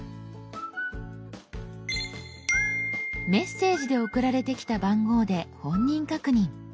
「メッセージ」で送られてきた番号で本人確認。